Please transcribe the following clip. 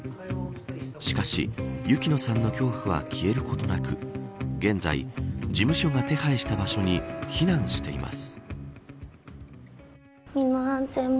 しかし、雪乃さんの恐怖は消えることなく現在、事務所が手配した場所に避難しています。